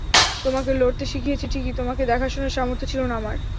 তোমাকে লড়তে শিখিয়েছি ঠিকই, তোমাকে দেখাশোনার সামর্থ্য ছিল না আমার।